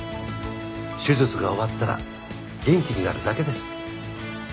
手術が終わったら元気になるだけです。